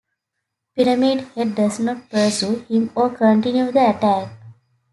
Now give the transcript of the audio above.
Pyramid Head does not pursue him or continue the attack.